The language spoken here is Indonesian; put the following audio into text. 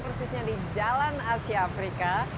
persisnya di jalan asia afrika